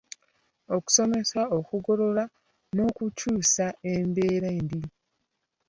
Okusomesa, okugogola n’okukyusa embeera embi